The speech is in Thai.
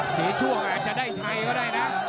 เสียช่วงอาจจะได้ใช้ก็ได้นะ